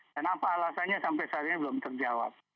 dan apa alasannya sampai saat ini belum terjawab